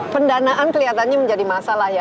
pendanaan kelihatannya menjadi masalah ya